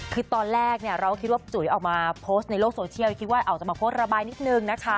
คือตอนแรกเนี่ยเราก็คิดว่าจุ๋ยออกมาโพสต์ในโลกโซเชียลคิดว่าออกมาโพสต์ระบายนิดนึงนะคะ